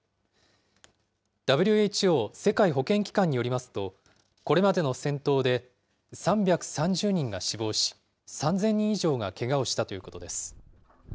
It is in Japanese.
ＷＨＯ・世界保健機関によりますと、これまでの戦闘で３３０人が死亡し、３０００人以上がけがをしたということです。